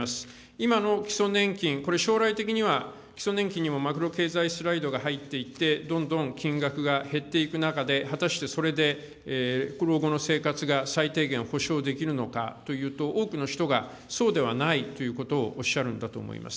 今の基礎年金、これ、将来的には基礎年金にもマクロ経済スライドが入っていって、どんどん金額が減っていく中で、果たしてそれで老後の生活が最低限保障できるのかというと、多くの人が、そうではないということをおっしゃるんだと思います。